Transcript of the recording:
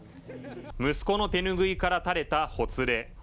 息子の手拭いから垂れたほつれ。